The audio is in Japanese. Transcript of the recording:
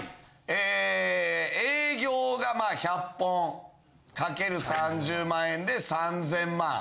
え営業がまあ１００本かける３０万円で３０００万。